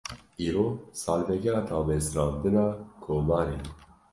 Îro, salvegera damezrandina Komarê ye